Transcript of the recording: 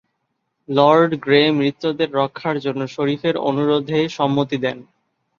Lord Grey মিত্রদের রক্ষার জন্য শরিফের অনুরোধে সম্মতি দেন।